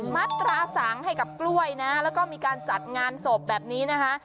มัตราสังให้กับกล้วยนะแล้วก็มีการจัดงานศพแบบนี้นะคะ